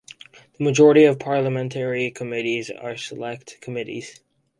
The majority of parliamentary committees are Select committees.